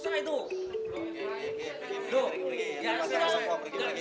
loh ya asal nggak seperti itu